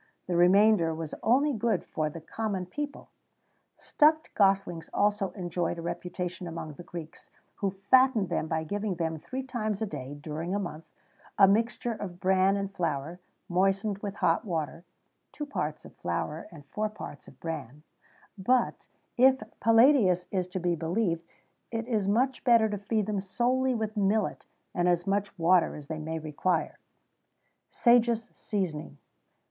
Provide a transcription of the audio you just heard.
The remainder was only good for the common people.[XVII 74] Stuffed goslings also enjoyed a reputation among the Greeks,[XVII 75] who fattened them by giving them, three times a day, during a month, a mixture of bran and flour, moistened with hot water (two parts of flour and four parts of bran); but, if Palladius is to be believed, it is much better to feed them solely with millet, and as much water as they may require.[XVII 76] _Sejus Seasoning.